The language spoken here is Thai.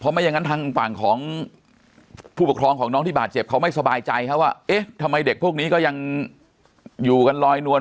ไม่อย่างนั้นทางฝั่งของผู้ปกครองของน้องที่บาดเจ็บเขาไม่สบายใจครับว่าเอ๊ะทำไมเด็กพวกนี้ก็ยังอยู่กันลอยนวล